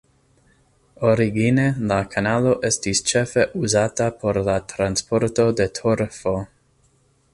Origine la kanalo estis ĉefe uzata por la transporto de torfo.